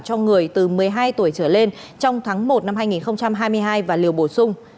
cho người từ một mươi hai tuổi trở lên trong tháng một năm hai nghìn hai mươi hai và liều bổ sung